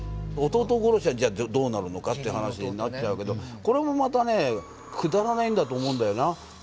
弟殺しはどうなるのかって話になっちゃうけどこれもまたねくだらないんだと思うんだよな。